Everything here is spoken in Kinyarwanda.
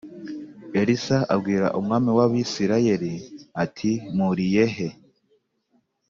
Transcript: Elisa abwira umwami w Abisirayeli ati Mpuriye he